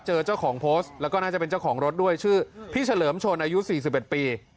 เจอเจ้าของแล้วก็น่าจะเป็นเจ้าของรถด้วยชื่อพี่เฉลิมชนอายุสี่สิบเอ็ดปี